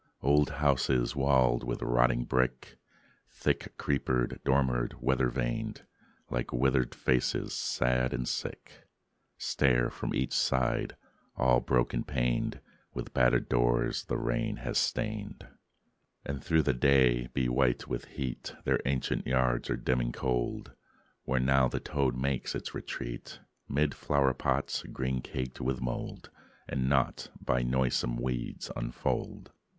Old houses, walled with rotting brick, Thick creepered, dormered, weather vaned, Like withered faces, sad and sick, Stare from each side, all broken paned, With battered doors the rain has stained. And though the day be white with heat, Their ancient yards are dim and cold; Where now the toad makes its retreat, 'Mid flower pots green caked with mold, And naught but noisome weeds unfold.